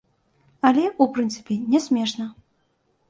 Але, у прынцыпе, не смешна.